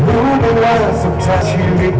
ขอบคุณทุกเรื่องราว